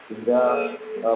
pengajuannya tidak bisa direspon